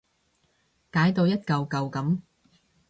解到一舊舊噉